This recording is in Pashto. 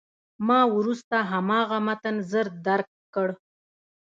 ما وروسته هماغه متن ژر درک کړ.